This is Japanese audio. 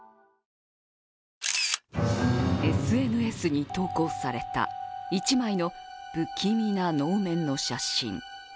ＳＮＳに投稿された１枚の不気味な能面の写真。